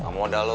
gak mau ada lo